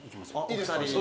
いいですか？